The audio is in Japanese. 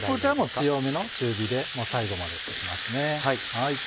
強めの中火で最後までできますね。